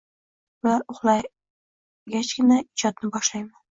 Ular uxlagachgina, ijodni boshlayman.